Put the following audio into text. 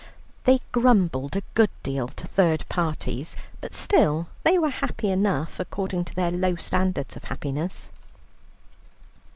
They grumbled a good deal to third parties, but still they were happy enough, according to their low standard of happiness.